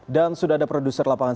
dan sudah ada produser lapangan